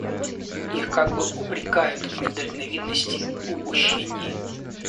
Их как бы упрекают в недальновидности, упущении.